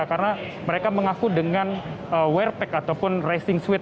karena mereka mengaku dengan wear pack ataupun racing suit